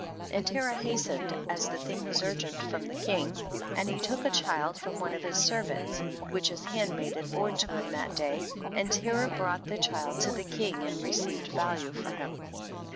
33. And Terah hastened, (as the thing was urgent from the king), and he took a child from one of his ser vants, which his handmaid had born to him that day, and Terah brougiit the child to the king and received value for him.